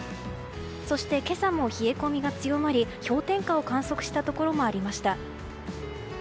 そして、今朝も冷え込みが強まり氷点下を観測したところもありました。